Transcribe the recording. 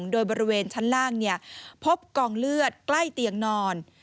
โดยบริเวณชั้นล่างพบกองเลือดใกล้เตียงนอน